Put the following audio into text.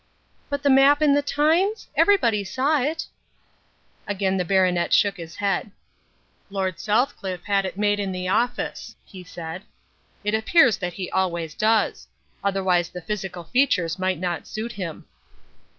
"But the map in the Times? Everybody saw it." Again the baronet shook his head. "Lord Southcliff had it made in the office," he said. "It appears that he always does. Otherwise the physical features might not suit him."